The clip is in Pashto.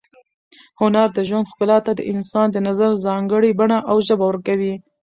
هنر د ژوند ښکلا ته د انسان د نظر ځانګړې بڼه او ژبه ورکوي.